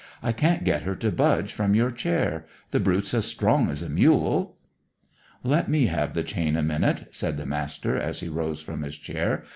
"I can't get her to budge from your chair. The brute's as strong as a mule." "Let me have the chain a minute," said the Master, as he rose from his chair.